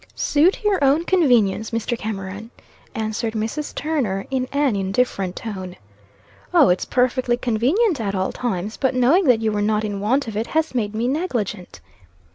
"Suit your own convenience, Mr. Cameron," answered Mrs. Turner, in an indifferent tone. "O, it's perfectly convenient at all times. But knowing that you were not in want of it, has made me negligent."